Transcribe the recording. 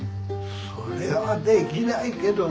それはできないけど。